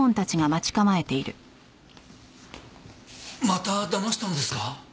まただましたんですか？